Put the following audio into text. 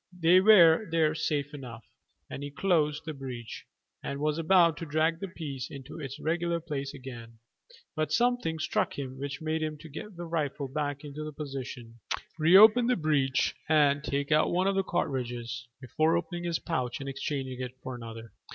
They were there safe enough, and he closed the breech and was about to drag the piece into its regular place again; but something struck him which made him get the rifle back into position, re open the breech, and take out one of the cartridges, before opening his pouch and exchanging it for another.